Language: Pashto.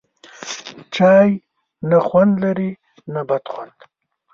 چای، نه خوند لري نه بد خوند